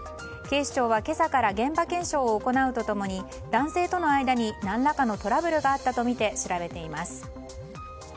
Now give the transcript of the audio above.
警視庁は今朝から現場検証を行うと共に男性との間に何らかのトラブルがあったとみて調べています。